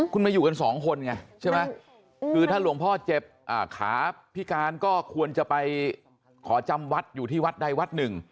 คุณมาอยู่กันสองคนไงใช่ไหมคือถ้าหลวงพ่อเจ็บขาพิการก็ควรจะไปขอจำวัดอยู่ที่วัดใดวัดหนึ่ง